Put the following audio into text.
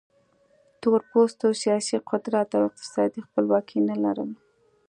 تور پوستو سیاسي قدرت او اقتصادي خپلواکي نه لرل.